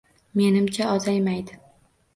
Menimcha, ozaymadi.